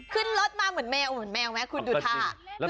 ขึ้นรถมาเหมือนแมวเหมือนแมวไหมคุณดูท่า